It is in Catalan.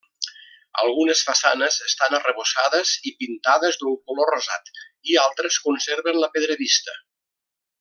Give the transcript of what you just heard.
Algunes façanes estan arrebossades i pintades d'un color rosat, i altres conserven la pedra vista.